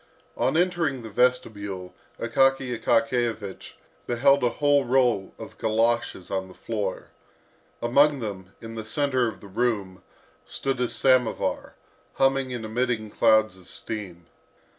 On entering the vestibule, Akaky Akakiyevich beheld a whole row of goloshes on the floor. Among them, in the centre of the room, stood a samovar, humming and emitting clouds of steam.